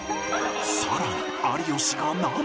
さらに有吉が涙